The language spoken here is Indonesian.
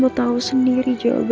untuk ketidak larry